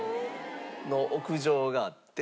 の屋上があって。